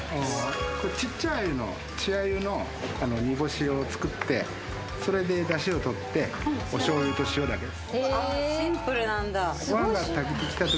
小っちゃい鮎の稚鮎の煮干しを作って、それでダシを取って、お醤油と塩だけです。